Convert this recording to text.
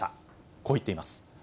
こう言っています。